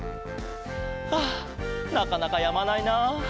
ああなかなかやまないな。